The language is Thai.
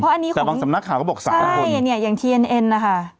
เพราะอันนี้ของใช่อย่างทีเอ็ดเอนนะคะ